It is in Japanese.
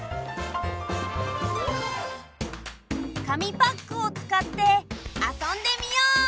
かみパックをつかってあそんでみよう！